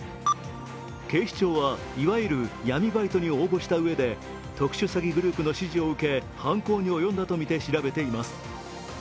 警視庁は、いわゆる闇バイトに応募したうえで特殊詐欺グループの指示を受け犯行に及んだとみて調べています。